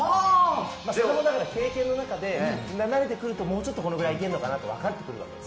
自分の経験の中で慣れてくるともうちょっと、このくらい行けるかなって分かってくるから。